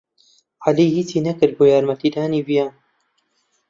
عەلی ھیچی نەکرد بۆ یارمەتیدانی ڤیان.